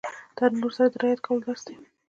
دا له نورو سره د رعايت کولو درس دی.